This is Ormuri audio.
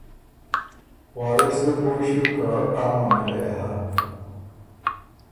وارث ګه پویٛ ݭیوک که آ معامېلۀ يې هۀ،